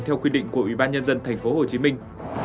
theo quy định của ủy ban nhân dân thành phố hồ chí minh